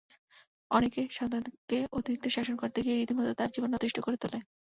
অনেকে সন্তানকে অতিরিক্ত শাসন করতে গিয়ে রীতিমতো তার জীবন অতিষ্ঠ করে তোলেন।